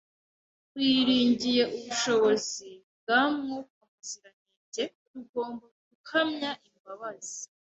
Twiringiye ubushobozi bwa Mwuka Muziranenge, tugomba guhamya imbabazi,